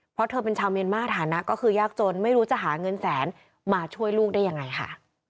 เพราะเธอเป็นชาวเมียนมาฐานะก็คือยากจนไม่รู้จะหาเงินแสนมาช่วยลูกได้ยังไงค่ะ